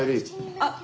あっ！